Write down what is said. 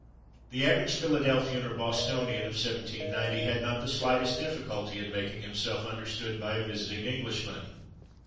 The average Philadelphian or Bostonian of 1790 had not the slightest difficulty in making himself understood by a visiting Englishman.